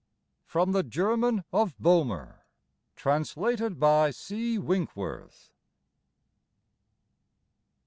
From the German of Boehmer. Translated by C. WlNKWORTH.